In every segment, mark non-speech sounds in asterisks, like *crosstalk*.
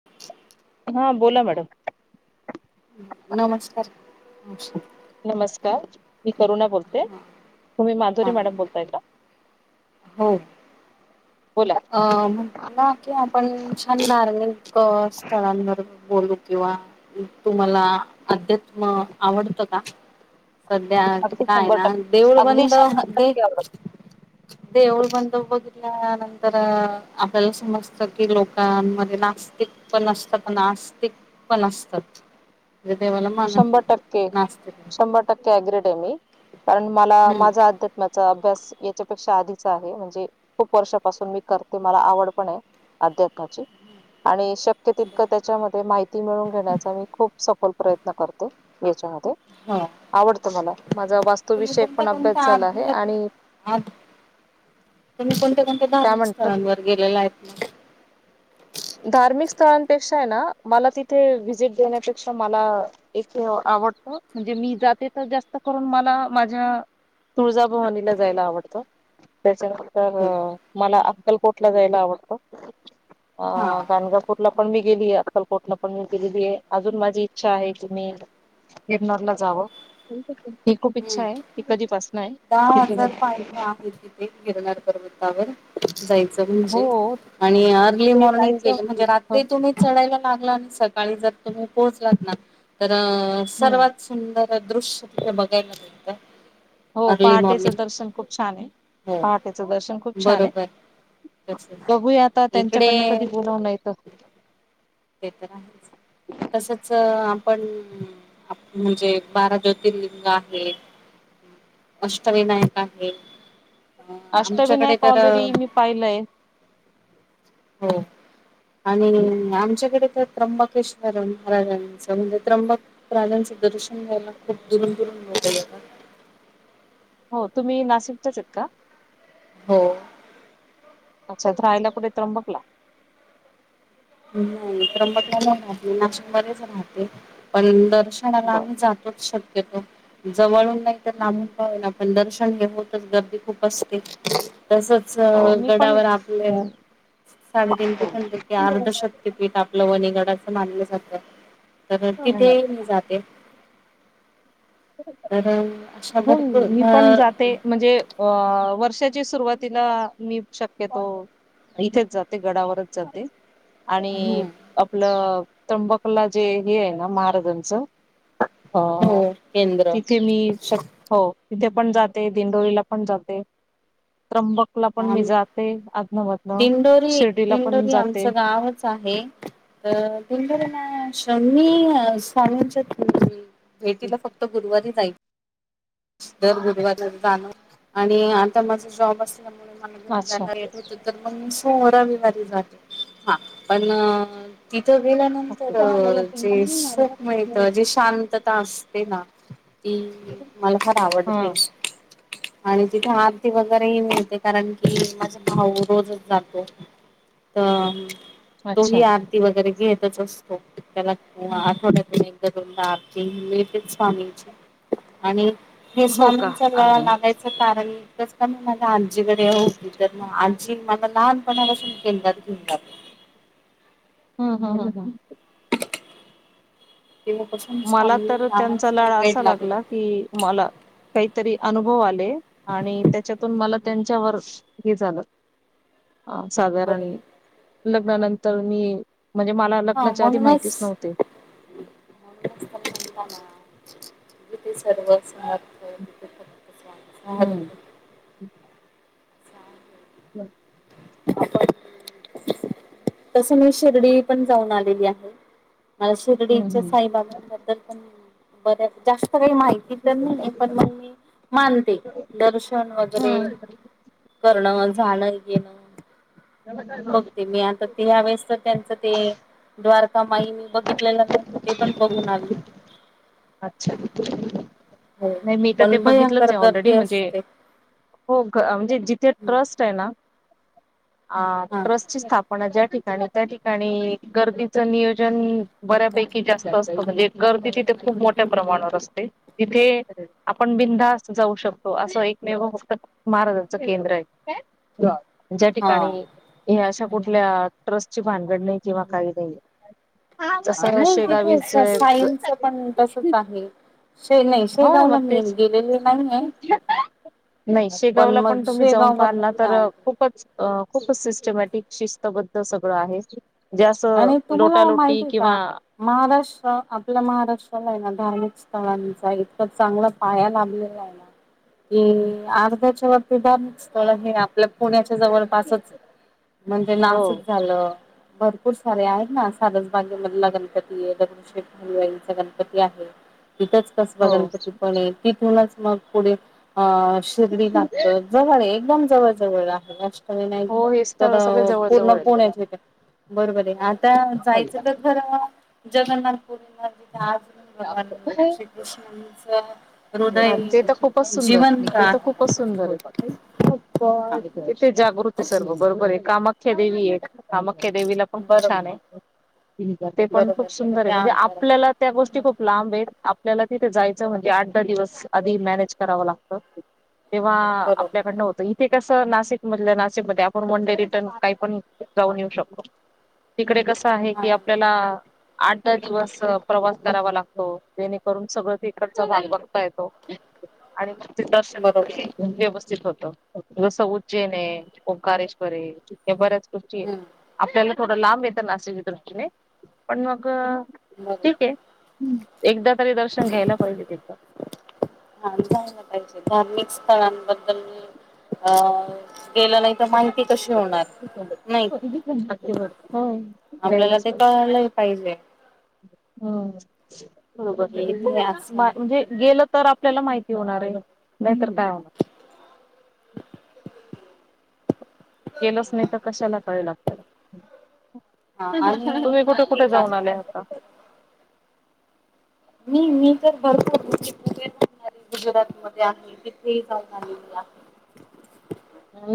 *unintelligible* हा बोला मॅडम नमस्कार न नमस्कार मी करुणा बोलते तुम्ही हा माधुरीे मॅडम बोलताय का? हो बोला! अ! ना कि आपण छान धार्मिक स्थळांवर बोलू किंवा तुम्हाला अध्यात्म आवडतं का? सध्या अगदी काय शंभर ना टक्के देऊळ अगदी बंद शंभर ते टक्के आवडत देवळ बंद बघितल्या तर आपल्याला समजत की लोकांमध्ये नास्तिक पण असतात पण आस्तिक पण असतात. म्हणजे देवाला मानत शंभर नाही टक्के नास्तिक शंभर टक्के ॲग्रीड आहे मी कारण मला हम्म माझा अध्या त्माचा अभ्यास याच्यापेक्षा आधीचा आहे म्हणजे खूप वर्षापासून मी करते मला आवड पण आहे. अध्याकाची आणि शक्य तितक त्याच्यामध्ये माहिती मिळून घेण्याचा मी खूप सखोल प्रयत्न करते याच्या हो आवडत मला माझा वास्तुविषयक पण अभ्यास झाला आहे आणि आत तुम्ही कोणत्या कोणत्या काय धार्मिक म्हणत स्थळांवर गेलेला आहेत मग? धार्मिक स्थळांपेक्षा हाय ना मला तिथे व्हिजिट देण्यापेक्षा मला एक आवडत म्हणजे मी जाते तर जास्त करून मला माझ्या तुळजाभवानीला जायला आवडतं. त्याच्यानंतर हो. मला अंकलकोटला जायला आवडत अ हा गणगा पूरला पण मी गेलीय अक्कलकोटला पण मी गेलेली आहे अजून माझी इच्छा आहे की मी इरनार ला जावं ही खूप हम्म. इच्छा आहे ती कधीपसन हाय. दहा हजार पायऱ्या आहे तिथे गिरनार पर्वतावर. जायचं हो म्हणजे आणि अर्ली ते मॉर्निंग जायचं गेलं म्हणजे रात्री तुम्ही चढायला लागला आणि सकाळी जर तुम्ही पोहोचलात ना तर हम्म सर्वात सुंदर दृश्य तिथ बघायला मिळतं. हो अर्ली मॉर्निंग पहाटेचं दर्शन खूप छान आहे हो. पहाटेचं दर्शन खूप छान आहे. बरोबर तसच बघू आता इकडे त्यांच्याकडनं कधी बोलवन येत! ते तर आहे तसच आपण म्हणजे बारा ज्योतिर्लिंग आहे. अष्टविनायक आहे. अ आमच्याकडे अष्टविनायक तर ऑलरेडी मी पाहिलंय. हो आणि आमच्या इकड तर त्र्यंबकेश्वर महाराजांचं म्हणजे त्रंबक प्राण्याचे दर्शन घ्यायला खूप दुरून दुरून लोक येतात. हो तुम्ही नाशिकच्याच आहेत का? हो! अच्छा तर रायला कुठे त्रंबकला? नाही त्रंबकला नाही राहत मी नाशिक मध्येच राहते पण दर्शनाला बर आम्ही जा तोच शक्यतो जवळून नाही तर लाबून का होईना पण दर्शन हे होतच गर्दी खूप असते तसच मी पण गडावर आपले साडेतीन तीन पिठानं पैकी अर्ध पीठ आपलं वणीगडाच मानलं जातं तर तिथे ही मी जाते. तर अशा हो भरपूर मी पण अ जाते म्हणजे अ वर्षाची सुरुवातीला मी शक्यतो इथेच जाते गडावरच जाते. हम्म आणि आपलं त्रंबकला जे हे आहे ना महाराजांच ह हो केंद्र तिथे मी शक हो तिथे पण जाते दिंडोळीला पण जाते त्रंबक क ला पण मी आम जाते आजनमधन दिंडोरी शिर्डीला पण दिंडोरी आमचं जाते. आहे गावच तर तुच्या त्यांना शममी स्वामींच्या भेटीला फक्त गुरुवारी नाही. दर गुरुवजर जाण आणि आता माझा जॉब असल्यामुळे मला घ अच्छा जायलाट होत. तर मग सोहरा विवारी जाते हा पण तिथं गेल्यानंतर जे सुख मिळत जे शांत. असते ना ती मला फार हा आवडते. आणि तिथे आरती वगैरे मिळ ते कारण की माझा भाऊ रोजच जातो त तो अच्छा ही आरती वगैरे घेतच असतो त्याला आठवड्यातून एकदा स्वामीं आणि हे हो का स्वामींचा अरे वा लागायच. कारण कस का मी मझला आजीकडे हो तर म आजी मला लहानपणापासून केंद त. हा हा ह ह. तेव्हा प मला तर त्यांचा लाळ असा लागला की मला काहीतरी अनुभव आले आणि त्याच्यातून मला त्यांच्यावर हे झालं. ह साधारण बर लग्नानंतर मी म्हणजे मला हा लग्नाच्या आधी म्हणूनच. माहितीच नव्हते म्हणूनच तर म्हणता ना जिथे सर्व समर्थ तिथे फक्त स्वामी समर्थ हम्म. *unintelligible* तस मी शिर्डी पण जाऊन आलेली आहे. मला हम्म शिर्डीच्या हम्म साईबाबांबद्दल पण बऱ्या जास्त काही माहिती तर नाही पण मग मी मानते दर्शन वगैरे हम्म करणं जाण घेणं बघते मी आता ते यावेेळेस तर त्यांचं ते द्वारका माई मी बघितलेलं नव्ह. ते पण बघून आले. अच्छा नाही मी तर ते पण बघितलंच भयंकर आहे गर्दी ऑलरेडी म्हणजे असते हो म्हणजे जिथे ट्रस्ट आहे ना हा ट्रस्टची स्थाप ण ज्या ठिकाणी त्या ठिकाणी गर्दीच नियोजन बऱ्यापैकी जास्त असत म्हणजे गर्दी तिथे खूप मोठ्या प्रमाणावर असते तिथे आपण बिनधास्त जाऊ शकतो असं एकमेव फक्त महाराजांच केंद्र आहे ज्या हा ठिकाणी हे अशा कुठल्या ट्रस्टची भानगड नाही किंवा काही नाही. हा जसं नाही तिथे शेगावीच साईंचं पण तसच आहे. शे नाही हो ना शेगावला मग मी तेच गेलेले नाहीये. नाही शेगावला मग पण तुम्ही जाऊन शेगाव पाहिल बद्दल ना मी तर ऐकलं. खूपच. अ खूप सिस्टमॅटिक शिस्तबद्ध सगळं आहे. जे अस आणि तुम्हाला लोटालोटी माहितीय किंवा का? महाराष्ट्र आपल्या महाराष्ट्राला आहे ना धार्मिक स्थळांचा इतक चांगला पाया लाभलेला आहेना. अर्ध्याच्या वरती धार्मिक स्थळ हे आपल्या पुण्याच्या जवळ पासच म्हणजे हो नाशिक झालं. खूप सारे आहेत ना सारसबागेमधला गणपती आहे दगडूशेठ हलवाईचा गणपती आहे. इथच. कसबा हो गणपती पण तिथूनच मग पुढे अ शिर्डी लागत. जवळ एकदम जवळ-जवळ आहे अष्टविनायक हो हे तर स्थळ सगळे जवळ पूर्ण जवळ आहे. पुण्याची इथे बरोबर आहे आता जायचं तर खरं जगन्नाथ पुरीला ते अर्जुन भगवान श्रीकृष्णनच अन् तर खूपच सुंदर नि ते तर खूपच आहे. सुंदर आहे हा. तथे जागृत आहे सर्व बरोबर आहे कामाख्या देवी आहे. कामाख्या देवीला पण खूप बरोबर छान आहे. *inaudible* ते पण खूप बरोबर सुंदर आहे तिथे म्हणजे आपल्याला त्या गोष्टी खूप लांब आहेत आपल्याला तिथे जायचं म्हणजे आठ दिवस आधी मॅनेज कराव लागत तेव्हा बरोबर आपल्याकडनं होत. ते कसं नाशिक मधलं नाशिक मध्ये आपण वन डे रिटर्न काही पण जाऊन येऊ शकतो. तिकडे कसं आहे हा की आपल्याला आठ, दहा दिवस प्रवास करावा लागतो. जेणेकरून सगळं तिकडचा भाग बघ ता येतो. बरोबर *inaudible* व्यवस्थित होत. जसं उज्जैन आहे, ओंकारेश्वर आहे. या बऱ्याच गोष्टी हम्म आपल्याला थोडं लांब येत नाशिकच्या दृष्टीने पण मग ठीक बरोबर आहे एकदा तरी दर्शन घ्यायला पाहिजे तिथं. *inaudible* हा जायला पाहिजे धार्मिक स्थळांबद्दल अं दीलं नाही तर माहिती कशी होणार? सोबत नाही का? बघितलं ना अगदी बरोबर होय आपल्याला द्यायलाच ते पाहिजे. कळलंही पाहिजे. हम्म *inaudible* की इथे बरोबर असं मा आहे. म्हणजे गेल तर आपल्याला माहिती होणार आहे नाही तर काय होणार. केलंच नाही तर कशाला कळेल आपल्याला. हा *inaudible* आणि तुम्ही कुठं माहिती आहे कुठं का जाऊन आलाय आता? मी मी तर भरपूर *unintelligible* गुजरात मध्ये आहे तिथे ही जाऊन आलेली.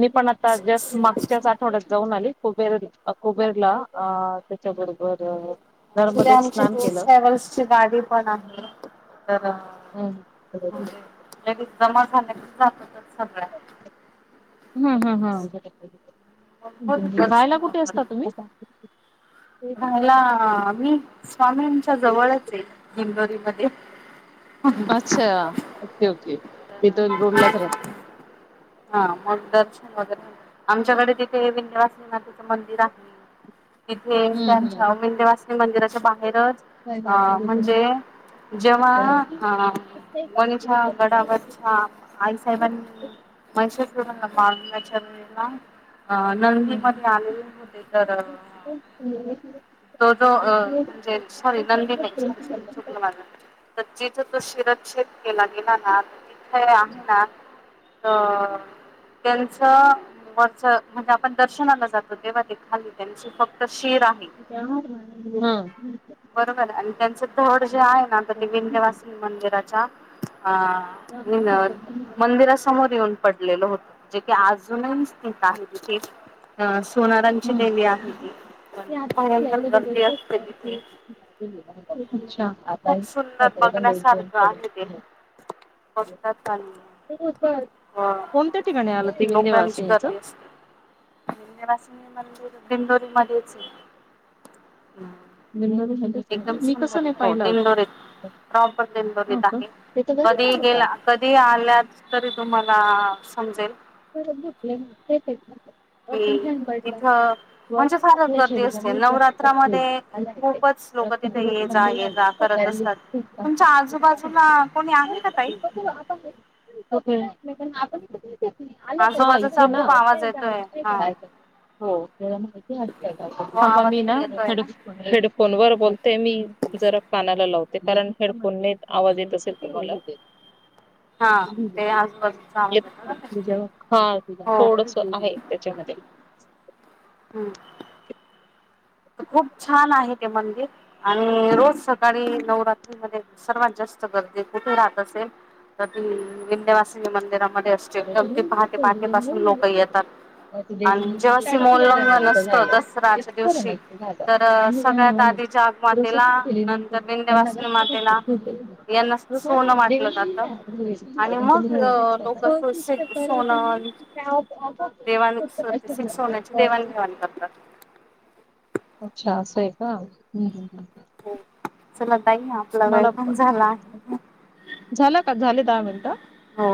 मी पण आता जस्ट मागच्याच आठवड्यात जाऊन आली कुबेर कुबेरला अ त्याच्या बरोबर अ उद्या आमचे टूर्स ट्रॅव्हल्स ची गाडी पण आहे तर म्हणजे *unintelligible* लगेच जमा झाल्या कि जाततच सगळ्या. हम् हम् ह भरपूर दर्शन राहायला कुठे असता वगैरे तुम्ही? राहायला मी स्वामी च्या जवळच आहे दिंडोरी मध्ये. अच्छा ओके ओके. तिथं रोडलाच राह हा *unintelligible* आमच्याकडे तिथे विंध्यवासली मातेचं मंदिर आहे. तिथे हम्म हम्म. त्यांच्या विंध्यवासली मंदिराच्या बाहेरच अ हम्म. म्हणजे- जेव्हा आ मनिषा गडावरच्या आई साहेबांनी *inaudible* अ नंदी मध्ये आलेले होते तर अ *inaudible* तो जो अ म्हणजे सॉरी नंदी नाही सॉरी सॉरी. चुकलं माझं जिथं तो शिरच्छेद केला गेला ना तिथे आहे ना तर त्यांचं वच म्हणजे, आपण दर्शनाला जातो तेव्हा ते खाली त्यांची फक्त शिड आहे. *inaudible* हा *inaudible* बर झाल आणि त्यांच धड जे आहे ना तर ते विध्यावास्नी मंदिराच्या हा मिनल मंदिरास समोर येऊन पडलेलं होत जे के अजूनही स्थीत आहे तिथे. हा सोणारान हम्म. भयंकर गर्दी असते तिथे. *unintelligible* खूप अच्छा. सुंदर बघण्यासारखं आहे ते *unintelligible* *unintelligible* अ कोणत्या ठिकाणी आलं ते विंध्यावासिनीचं. विंध्यावासनी मंदिर दिंडोरी मध्येच *unintelligible* एकदम मी कसं सुंदर नाही हो पाहिलं अजून. दिंडोरीत प्रॉपर हो दिंडोरीत का? आहे ते तर घरीच कधी गेला कधी आल्याच तरी तुम्हाला समजेल. बर *unintelligible* तेच आहेत का. व की तुम बला तिथं म्हणजे फारच गर्दी असते जात नवरात्रामध्ये ख. खूपच लोक तिथे रक्तपुड ये जा ये जा करत असतात. तुमच्या आजूबाजूला कोणी आहे का ताई? आता हा आजूबाजूचा इथे ना खूप आवाज येतोय हा हो माहिती तो मी आवाज ना येतोय हे हेडफोन वर बोलते मी जरा कानाला लावते कारण हेडफोनने आवाज येत असेल तुमला हा ते आजपास- तु हाु थोडस आहे त्याच्यामध्ये. हम्म! खूप छान आहे ते मंदिर. आणि रोज सकाळी नवरात्रीमध्ये सर्वात जास्त गर्दी कुठे राहत असेल. तर विंध्यवासिनी मंदिरामध्ये असते अगदी पहाटे पहाटेपासून लोक येतात. मग ते आणि जेव्हा डेझिग्नेशन झालं ते सीमोल्लंघन फॉरेनर असत दसरा्याच्या दिवशी. च झालं. तर त्यांनी सगळ्यात काय आधी प्रोसेस जागमातेला केली नाही तर नंतर त्यांना विंध्यवासनी जास्त जास्त मातेला. सूट आहे. यांना सोनं वाटलं जात आणि मग लोक. सोना देवाणु स सोन्याची देवाणघेवाण करतात. अच्छा असं आहे का? चला तई ना आपला मला वेळकम झाला. झाला का झाले दहा मिनिटं. हो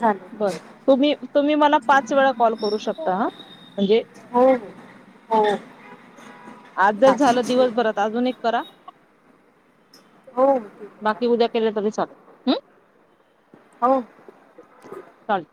चालेल बर तुम्ही तुम्ही मला पाच वेळा कॉल करू शकता हा म्हणजे हो हो आज जर चालेल झालं ठीक आहे दिवसभरात अजून एक करा हो हो ठीक आहे बाकी चालेल उद्या के तम ल हो चालेल